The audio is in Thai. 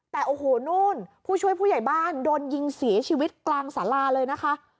แต่โอ้โหนู่นผู้ช่วยผู้ใหญ่บ้านโดนยิงเสียชีวิตกลางสาราเลยนะคะ